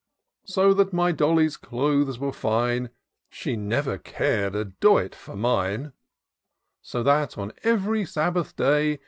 " So that iny Dolly's clothes were fine. She never car'd a doit for mine : So that, on ev'ry Sabbath day.